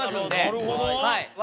なるほど。笑